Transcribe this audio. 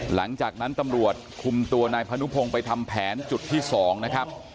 หลังจากนั้นตำรวจคุมตัวนายพนุพงศ์ไปทำแผนจุดที่๒นะครับ